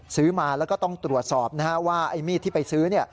ซื้อมาแล้วก็ต้องตรวจสอบว่ามีดที่ไปซื้อ